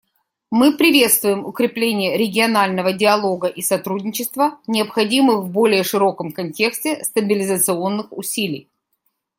Мы приветствуем укрепление регионального диалога и сотрудничества, необходимых в более широком контексте стабилизационных усилий.